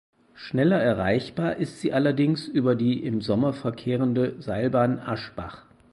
Schneller erreichbar ist sie allerdings über die im Sommer verkehrende Seilbahn Aschbach.